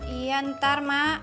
iya ntar mak